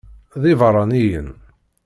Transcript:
D ibeṛṛaniyen.